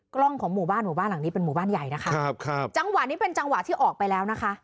กล้องของหมู่บ้านหมู่บ้านหลังนี้เป็นหมู่บ้านใหญ่นะคะครับจังหวะนี้เป็นจังหวะที่ออกไปแล้วนะคะ